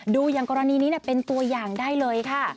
อย่างกรณีนี้เป็นตัวอย่างได้เลยค่ะ